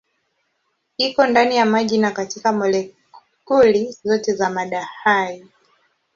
Iko ndani ya maji na katika molekuli zote za mada hai.